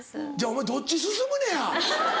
お前どっち進むねや！